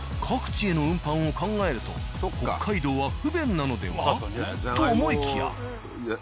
各地への運搬を考えると北海道は不便なのでは？と思いきや。